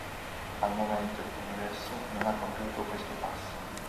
Al momento il Congresso non ha compiuto questo passo.